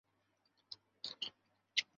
负责的政府机构为国土交通省。